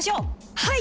はい！